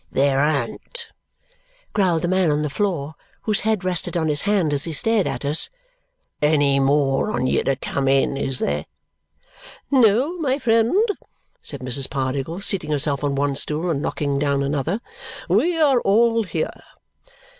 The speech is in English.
"There an't," growled the man on the floor, whose head rested on his hand as he stared at us, "any more on you to come in, is there?" "No, my friend," said Mrs. Pardiggle, seating herself on one stool and knocking down another. "We are all here."